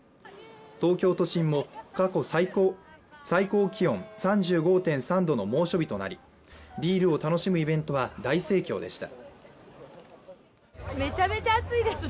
東京都心も最高気温３５．３度の猛暑日となりビールを楽しむイベントは大盛況でした。